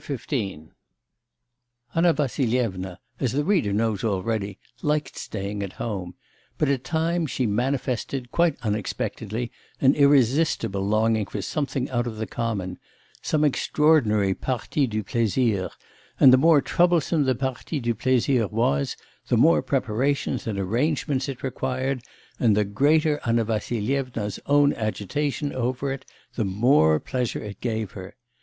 XV Anna Vassilyevna, as the reader knows already, liked staying at home; but at times she manifested, quite unexpectedly, an irresistible longing for something out of the common, some extraordinary partie du plaisir, and the more troublesome the partie du plaisir was, the more preparations and arrangements it required, and the greater Anna Vassilyevna's own agitation over it, the more pleasure it gave her.